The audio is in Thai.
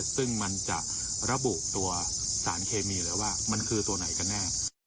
ซึ่งมันจะระบุตัวสารเคมีเลยว่ามันคือตัวไหนกันแน่